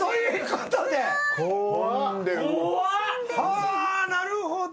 はぁなるほど。